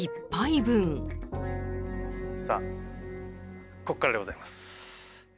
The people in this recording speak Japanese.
さあここからでございます。